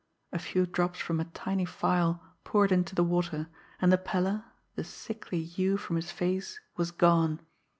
A few drops from a tiny phial poured into the water, and the pallor, the sickly hue from his face was gone.